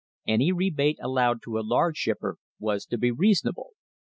Any rebate allowed to a large shipper was to be reason able.